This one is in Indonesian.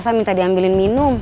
itu elsa minta diambilin minum